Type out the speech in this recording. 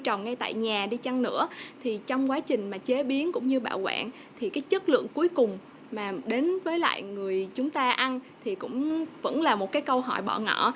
trồng ngay tại nhà đi chăng nữa thì trong quá trình mà chế biến cũng như bảo quản thì cái chất lượng cuối cùng mà đến với lại người chúng ta ăn thì cũng vẫn là một cái câu hỏi bỏ ngỡ